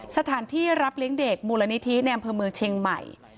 สถานที่รับเลี้ยงเด็กมูลนิธิในอำเภอเมืองเชียงใหม่